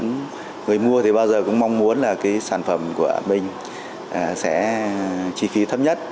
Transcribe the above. những người mua thì bao giờ cũng mong muốn là cái sản phẩm của mình sẽ chi phí thấp nhất